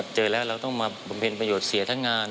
เจอแล้วเราต้องมาบำเพ็ญประโยชน์เสียทั้งงาน